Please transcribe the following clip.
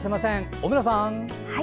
小村さん。